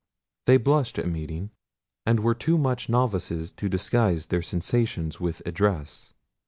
They blushed at meeting, and were too much novices to disguise their sensations with address.